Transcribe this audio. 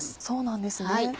そうなんですね。